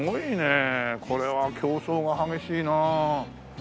これは競争が激しいなあ。